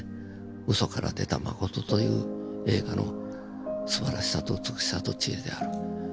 ウソから出たマコトという映画のすばらしさと美しさと知恵である。